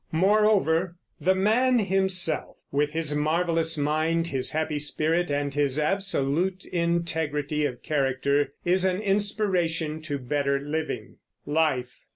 Moreover, the man himself, with his marvelous mind, his happy spirit, and his absolute integrity of character, is an inspiration to better living. LIFE.